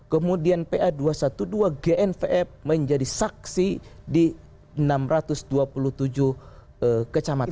kemudian pa dua ratus dua belas gnvf menjadi saksi di enam ratus dua puluh tujuh kecamatan